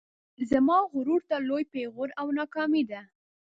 زما غرور ته لوی پیغور او ناکامي ده